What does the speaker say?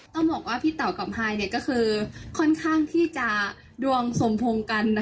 ต้องบอกว่าพี่เต๋ากับไฮก็คือค่อนข้างที่จะดวงสมพงษ์กัน